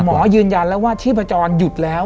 หมอยืนยันแล้วว่าชีพจรหยุดแล้ว